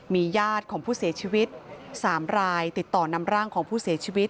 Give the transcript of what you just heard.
มีญาติของผู้เสียชีวิต๓รายติดต่อนำร่างของผู้เสียชีวิต